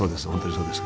そうですよ。